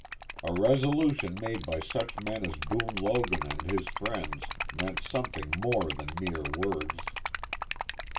A resolution made by such men as Boone Logan and his friends meant something more than mere words.